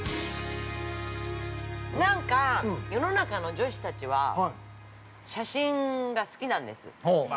◆なんか、世の中の女子たちは写真が好きなんです。